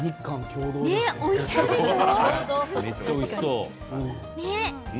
おいしそうでしょう？